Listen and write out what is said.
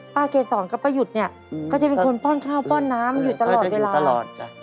ป้าเกศรกับป้าหยุดก็จะเป็นคนป้อนข้าวป้อนน้ำหยุดตลอดเวลา